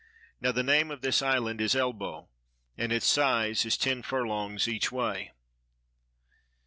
Now the name of this island is Elbo, and its size is ten furlongs each way.